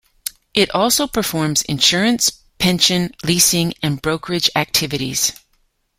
It also performs insurance, pension, leasing, and brokerage activities.